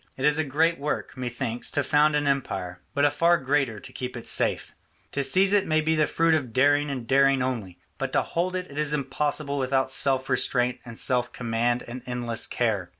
It is a great work, methinks, to found an empire, but a far greater to keep it safe. To seize it may be the fruit of daring and daring only, but to hold it is impossible without self restraint and self command and endless care.